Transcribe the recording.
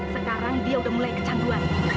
sekarang dia udah mulai kecanduan